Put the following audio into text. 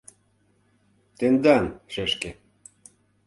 Тендан, шешке.